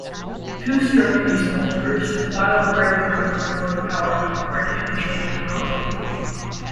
Two-stroke Diesel motors, while a breakthrough in locomotive power, were an immature technology.